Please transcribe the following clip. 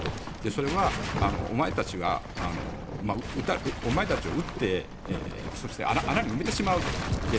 それは、お前たちを撃ってそして穴に埋めてしまうぞと。